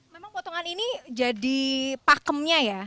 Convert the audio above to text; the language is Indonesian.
memang potongan ini jadi pakemnya ya